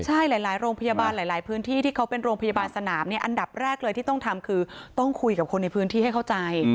ใช่หลายโรงพยาบาลหลายพื้นที่ที่เขาเป็นโรงพยาบาลสนามเนี่ยอันดับแรกเลยที่ต้องทำคือต้องคุยกับคนในพื้นที่ให้เข้าใจ